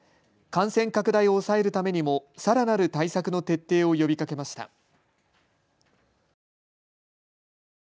感染拡大を抑えるためにもさらなる対策の徹底を呼びかけました。